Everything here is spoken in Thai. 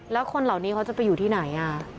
แล้วคนเหล่านี้เขาจะไปอยู่ที่ไหน